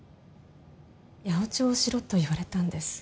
八百長をしろと言われたんです。